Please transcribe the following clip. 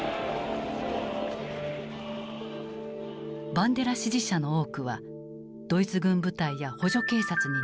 バンデラ支持者の多くはドイツ軍部隊や補助警察に入隊。